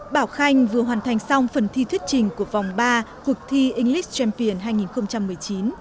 bảo khanh vừa hoàn thành xong phần thi thuyết trình của vòng ba cuộc thi english champion hai nghìn một mươi chín